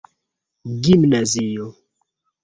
gimnazio